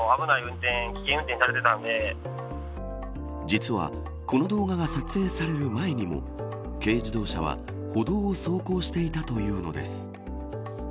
実はこの動画が撮影される前にも軽自動車は歩道を走行していたというのです。